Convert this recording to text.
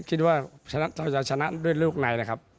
คิดว่าเราจะชนะด้วยลูกในนะครับ